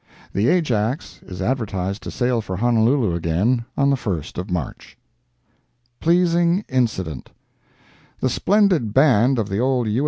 The Ajax is advertised to sail for Honolulu again on the 1st of March. PLEASING INCIDENT The splendid band of the old U.